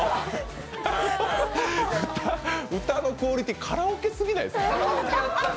歌のクオリティーカラオケすぎないですか？